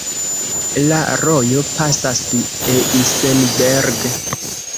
La rojo pasas Eisenberg.